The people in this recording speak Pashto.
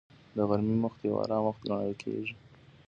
د غرمې وخت یو آرام وخت ګڼل کېږي